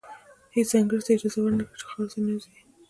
هېڅ انګریز ته اجازه ور نه کړي چې خاورې ته ننوځي.